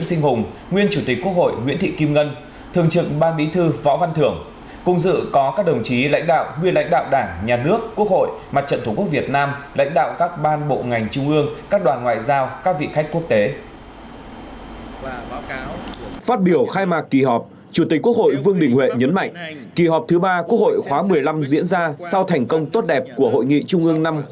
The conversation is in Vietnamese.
xin chào các bạn